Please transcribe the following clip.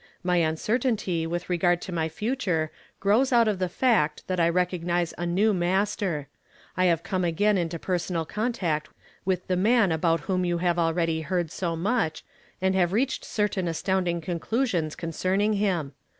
My uncertainty with regard to my future grows out of the fact that I recognize a new Master. I have come again into personal contact with the man about whom you have already heard so much, and have reached certain astounding conclusions concern ing him.